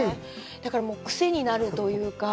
だから、癖になるというか。